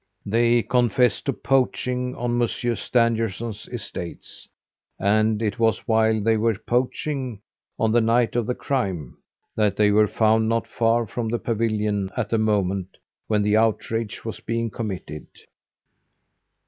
"They confessed to poaching on Monsieur Stangerson's estates, and it was while they were poaching, on the night of the crime, that they were found not far from the pavilion at the moment when the outrage was being committed.